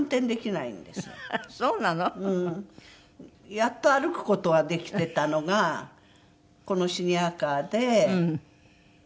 やっと歩く事はできてたのがこのシニアカーでまあ楽しい。